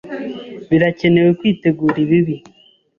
Birakenewe kwitegura ibibi.